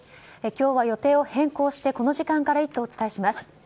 今日は予定を変更して「イット！」をこの時間からお伝えします。